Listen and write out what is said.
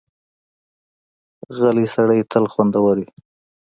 غلی سړی تل خوندي وي.